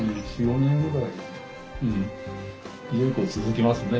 ４５年ぐらい。